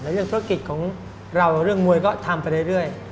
เรื่องธุรกิจของเราเรื่องมวยก็ทำไปเรื่อย